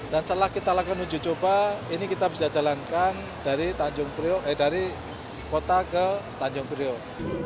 dan setelah kita lakukan ujicoba ini kita bisa jalankan dari tanjung priok eh dari kota ke tanjung priok